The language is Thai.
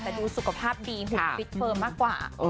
แต่ดูสุขภาพดีหุ่นฟิตเฟิร์มมากกว่า